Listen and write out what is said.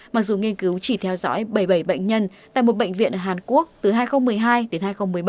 mặc dù nghiên cứu chỉ theo dõi bảy mươi bảy bệnh nhân tại một bệnh viện ở hàn quốc từ hai nghìn một mươi hai đến hai nghìn một mươi bảy